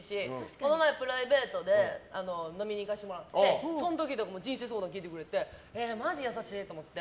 この前プライベートで飲みに行かせてもらってその時にも人生相談聞いてくれてマジ優しいと思って。